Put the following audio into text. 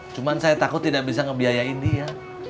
cuma saya takut tidak bisa ngebiayain dia